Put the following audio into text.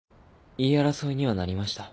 言い争いにはなりました。